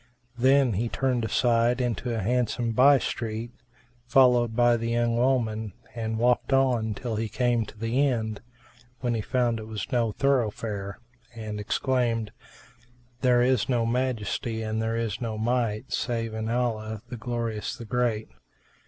Then he turned aside into a handsome by street, followed by the young woman, and walked on till he came to the end, when he found it was no thoroughfare and exclaimed, "There is no Majesty and there is no Might save in Allah, the Glorious, the Great!"